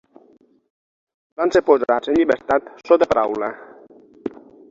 Van ser posats en llibertat sota paraula.